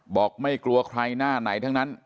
บอกไม่กลัวใครหน้าไหนทั้งนั้น